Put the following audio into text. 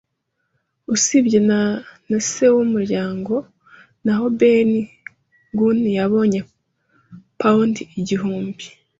usibye, na se wumuryango. Naho Ben Gunn, yabonye pound igihumbi,